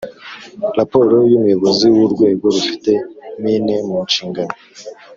Raporo y’umuyobozi w’urwego rufite mine mu nshingano